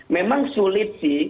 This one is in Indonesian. memang sulit sih